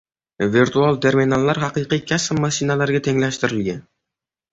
Virtual terminallar haqiqiy kassa mashinalariga tenglashtirilgan